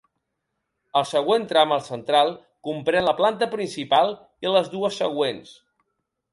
El següent tram, el central, comprèn la planta principal i les dues següents.